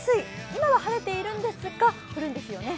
今は晴れているんですが、降るんですよね。